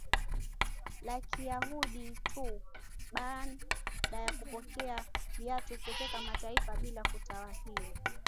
la Kiyahudi tu Baada ya kupokea watu kutoka mataifa bila kuwatahiri